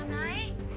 ừ chị đây em